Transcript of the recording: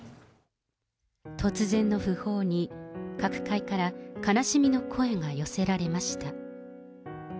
突然の訃報に各界から悲しみの声が寄せられました。